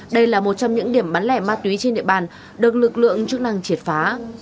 đây là một trong những điểm bán lẻ ma túy trên địa bàn được lực lượng chức năng triệt phá